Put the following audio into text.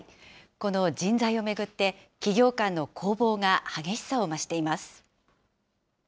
この人材を巡って、企業間の攻防が激しさを増しています。